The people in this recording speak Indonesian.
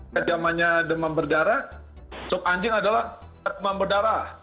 kejamannya demam berdarah sub anjing adalah demam berdarah